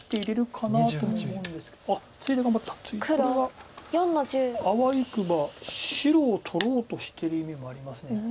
これはあわよくば白を取ろうとしてる意味もあります。